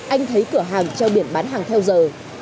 anh thấy cửa hàng treo biển bán hàng theo giờ